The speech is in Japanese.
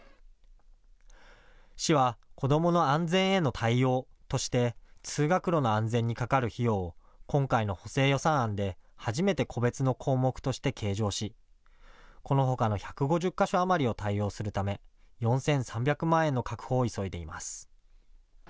市は子どもの安全への対応として通学路の安全にかかる費用を今回の補正予算案で初めて個別の項目として計上し、このほかの１５０か所余りを対応するため４３００万円の確保を急いでいます。